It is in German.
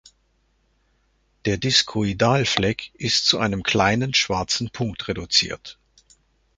Der Diskoidalfleck ist zu einem kleinen schwarzen Punkt reduziert.